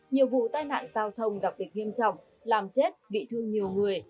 nhiều vụ tai nạn giao thông đặc biệt nghiêm trọng làm chết bị thương nhiều người